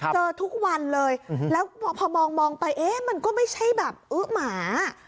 เจอทุกวันเลยแล้วพอมองไปเอ๊ะมันก็ไม่ใช่แบบอื้อหมา